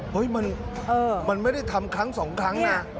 เฮ้ยมันไม่ได้ทำครั้งสองครั้งนะ